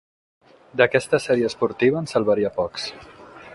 D'aquesta sèrie esportiva en salvaria pocs.